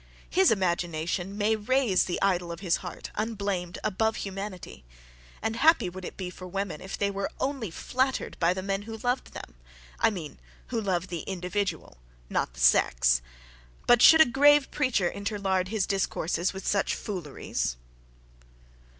His imagination may raise the idol of his heart, unblamed, above humanity; and happy would it be for women, if they were only flattered by the men who loved them; I mean, who love the individual, not the sex; but should a grave preacher interlard his discourses with such fooleries?